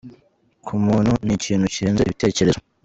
Ku muntu, ni ikintu kirenze ibitekerezo.